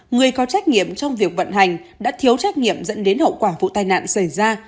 người có trách nhiệm trong việc vận hành đã thiếu trách nhiệm dẫn đến hậu quả vụ tai nạn xảy ra